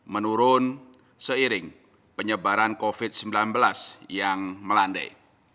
menurun seiring penyebaran covid sembilan belas yang melandai